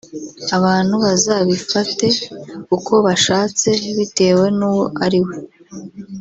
abantu bazabifate uko bashatse bitewe n’uwo ari we